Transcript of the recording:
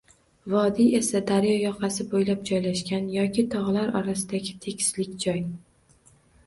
Vodiy esa daryo yoqasi boʻylab joylashgan yoki togʻlar orasidagi tekislik joy